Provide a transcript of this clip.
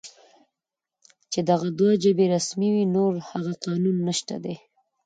چې دغه دوه ژبې رسمي وې، نور هغه قانون نشته دی